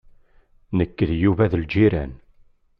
Nekk d Yuba d lǧiran.